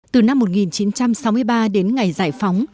từ năm một nghìn chín trăm sáu mươi ba đến ngày giải phóng